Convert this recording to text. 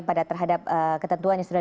pada terhadap ketentuan yang sudah